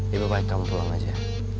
ya baik baik kamu pulang aja